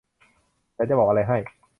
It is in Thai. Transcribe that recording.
ฉันจะบอกอะไรให้